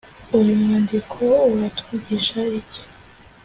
uyu mwandiko uratwigisha iki?